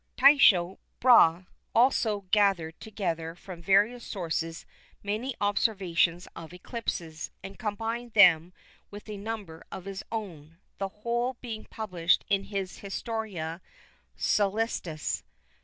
Tycho Brahe also gathered together from various sources many observations of eclipses, and combined them with a number of his own, the whole being published in his Historia Cœlestis.